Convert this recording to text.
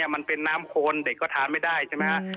มันเป็นน้ำโคนเด็กก็ทานไม่ได้ใช่ไหมฮะ